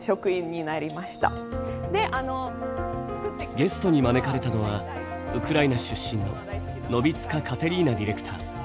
ゲストに招かれたのはウクライナ出身のノヴィツカ・カテリーナディレクター。